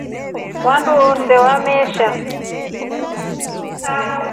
Vandu vale vamesha.